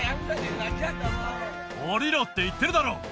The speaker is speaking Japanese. おりろって言ってるだろ！